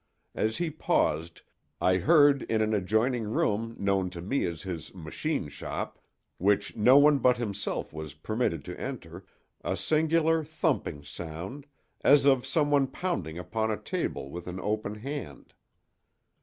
As he paused I heard in an adjoining room known to me as his "machine shop," which no one but himself was permitted to enter, a singular thumping sound, as of some one pounding upon a table with an open hand.